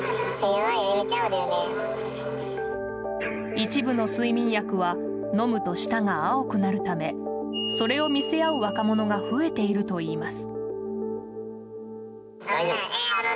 一部の睡眠薬は飲むと舌が青くなるためそれを見せ合う若者が増えているといいます。